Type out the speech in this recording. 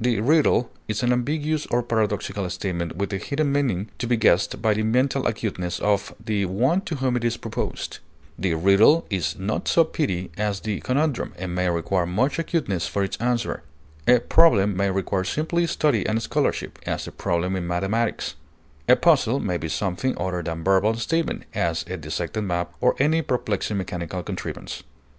The riddle is an ambiguous or paradoxical statement with a hidden meaning to be guessed by the mental acuteness of the one to whom it is proposed; the riddle is not so petty as the conundrum, and may require much acuteness for its answer; a problem may require simply study and scholarship, as a problem in mathematics; a puzzle may be in something other than verbal statement, as a dissected map or any perplexing mechanical contrivance.